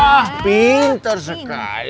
wah pinter sekali